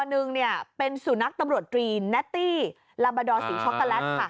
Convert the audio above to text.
หนึ่งเนี่ยเป็นสู่นักตำรวจตรีแนตตี้ลาบาดอสีช็อคโกลัสค่ะ